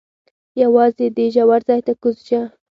یوازې دې ژور ځای ته کوز شه.